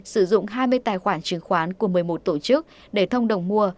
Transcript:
sử dụng hai mươi tài khoản chứng khoán của một mươi một tổ chức để thông đồng mua